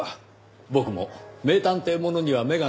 僕も名探偵ものには目がなくて。